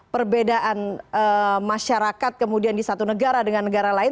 perbedaan masyarakat kemudian di satu negara dengan negara lain